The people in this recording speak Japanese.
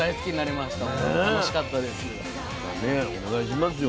またねお願いしますよ。